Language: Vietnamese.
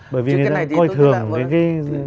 bởi vì người ta coi thường cái giá trị hoa màu